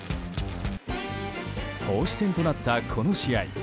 投手戦となった、この試合。